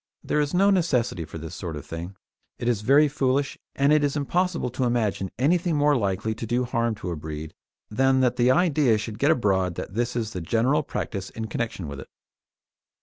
There is no necessity for this sort of thing; it is very foolish, and it is impossible to imagine anything more likely to do harm to a breed than that the idea should get abroad that this is the general practice in connection with it.